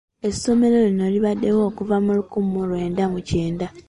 Essomero lino libaddewo okuva mu lukumi mu lwenda mu kyenda.